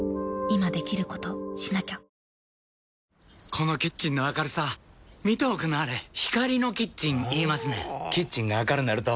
このキッチンの明るさ見ておくんなはれ光のキッチン言いますねんほぉキッチンが明るなると・・・